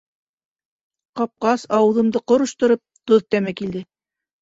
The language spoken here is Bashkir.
Ҡапҡас, ауыҙымды ҡороштороп, тоҙ тәме килде...